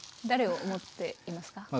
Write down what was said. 誰を思っていますか？